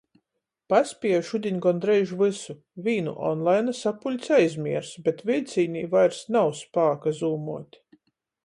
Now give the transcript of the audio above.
Paspieju šudiņ gondreiž vysu. Vīnu onlaina sapuļci aizmiersu, bet viļcīnī vairs nav spāka zūmuot.